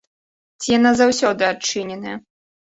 Ці яна заўсёды адчыненая?